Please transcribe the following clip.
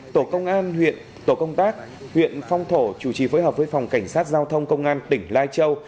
tổ công an huyện phong thổ chủ trì phối hợp với phòng cảnh sát giao thông công an tỉnh lai châu